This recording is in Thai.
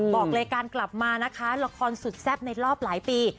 บอกรายการกลับมานะคะละครสุดแซ่บในรอบหลายปี